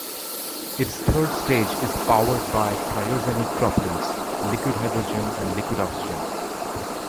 Its third stage is powered by cryogenic propellants: liquid hydrogen and liquid oxygen.